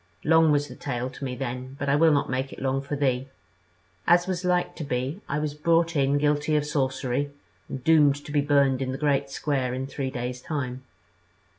Long was the tale to me then, but I will not make it long for thee; as was like to be, I was brought in guilty of sorcery, and doomed to be burned in the Great Square in three days time.